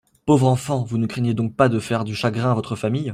Pauvre enfant, vous ne craignez donc pas de faire du chagrin à votre famille ?